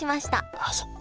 あそっか！